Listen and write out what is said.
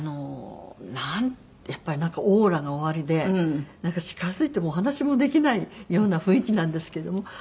やっぱりなんかオーラがおありで近づいてもお話もできないような雰囲気なんですけども。